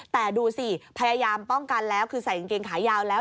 แต่ดูสิพยายามป้องกันแล้วคือใส่กางเกงขายาวแล้ว